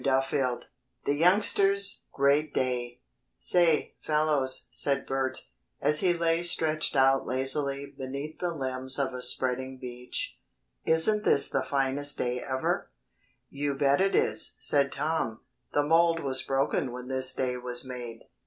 CHAPTER XII THE YOUNGSTERS' GREAT DAY "Say, fellows," said Bert, as he lay stretched out lazily beneath the limbs of a spreading beech, "isn't this the finest day ever?" "You bet it is," said Tom, "the mould was broken when this day was made."